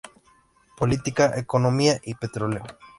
Política, Economía, y Petróleo.